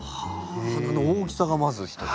花の大きさがまず一つ。